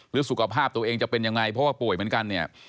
สุขภาพตัวเองจะเป็นยังไงเพราะว่าป่วยเหมือนกันเนี่ย